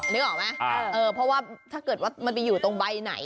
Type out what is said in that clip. นึกออกไหมเพราะว่าถ้าเกิดว่ามันไปอยู่ตรงใบไหน